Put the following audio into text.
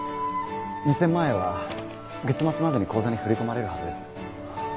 ２０００万円は月末までに口座に振り込まれるはずです。